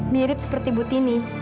mirip seperti budini